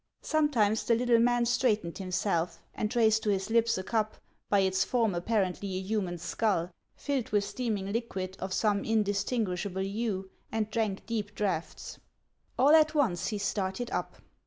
Some times the little man straightened himself, and raised to his lips a cup, by its form apparently a human skull, filled with steaming liquid of some indistinguishable hue, and drank deep draughts. All at once he started up.